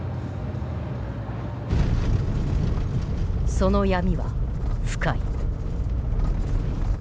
その闇は深い。